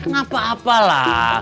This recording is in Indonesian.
gak apa apa lah